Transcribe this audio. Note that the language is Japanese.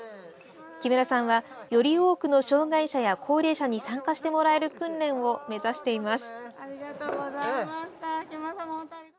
木村さんはより多くの障害者や高齢者に参加してもらえる訓練を目指しています。